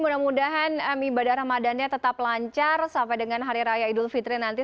mudah mudahan ibadah ramadhannya tetap lancar sampai dengan hari raya idul fitri nanti